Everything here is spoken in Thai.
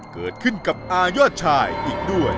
เกิดขึ้นกับอายอดชายอีกด้วย